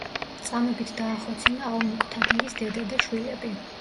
წამებით დაახოცინა ალ-მუკთადირის დედა და შვილები.